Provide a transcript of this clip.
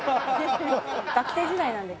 学生時代なんで。